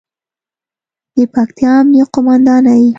د پکتیا امنیې قوماندانۍ